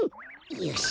よし！